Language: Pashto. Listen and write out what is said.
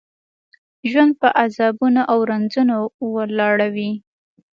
ژوند په عذابونو او رنځونو واړوي.